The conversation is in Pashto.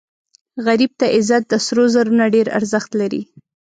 غریب ته عزت د سرو زرو نه ډېر ارزښت لري